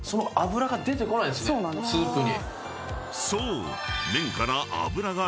［そう］